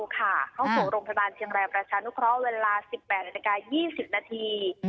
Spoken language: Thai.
เข้าสู่โรงพยาบาลเชียงรายประชานุเคราะห์เวลา๑๘นาฬิกา๒๐นาที